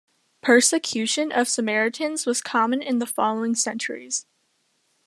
Persecution of Samaritans was common in the following centuries.